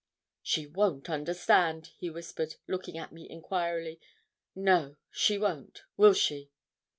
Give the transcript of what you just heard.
'She won't understand,' he whispered, looking at me enquiringly. 'No, she won't. Will she?'